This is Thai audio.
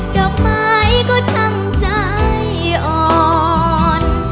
ดอกไม้ก็ทำใจอ่อน